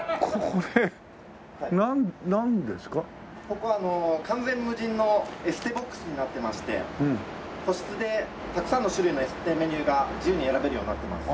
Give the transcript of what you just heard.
ここは完全無人のエステボックスになってまして個室でたくさんの種類のエステメニューが自由に選べるようになってます。